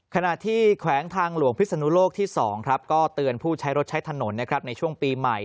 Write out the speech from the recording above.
ขณะที่แขวงทางหลวงพิศนุโลกที่๒ก็เตือนผู้ใช้รถใช้ถนนในช่วงปีใหม่